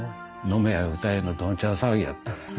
飲めや歌えのどんちゃん騒ぎやった。